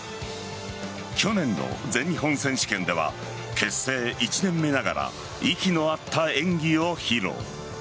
去年の全日本選手権では結成１年目ながら息の合った演技を披露。